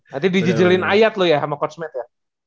nanti dijijelin ayat lu ya sama coach matt ya